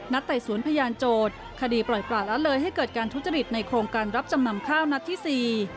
ไต่สวนพยานโจทย์คดีปล่อยปลาละเลยให้เกิดการทุจริตในโครงการรับจำนำข้าวนัดที่สี่